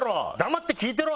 黙って聞いてろ！